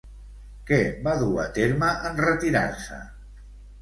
Què va dur a terme en retirar-se?